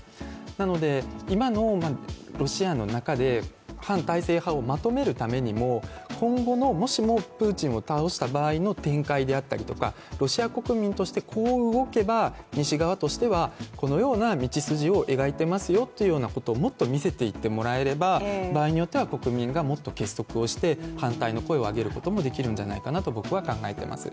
なので今のロシアの中で反体制派をまとめるためにも今後のもしもプーチンを倒した場合の展開であったりとか、ロシア国民としてこう動けば西側としてはこのような道筋を描いていますよみたいなことをもっと見せていってもらえれば場合によっては国民がもっと結束をして反対の声を上げることができるんじゃないかなと考えています。